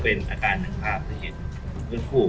สวัสดีครับวันนี้เราจะกลับมาเมื่อไหร่